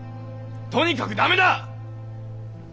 とにかく駄目だ！